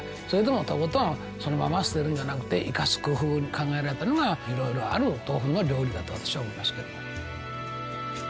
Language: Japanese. それでもとことんそのまま捨てるんじゃなくて生かす工夫考えられたのがいろいろあるお豆腐の料理だと私は思いますけども。